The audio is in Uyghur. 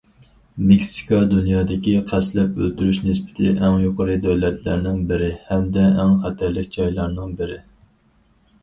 مېكسىكا دۇنيادىكى قەستلەپ ئۆلتۈرۈش نىسبىتى ئەڭ يۇقىرى دۆلەتلەرنىڭ بىرى ھەمدە ئەڭ خەتەرلىك جايلارنىڭ بىرى.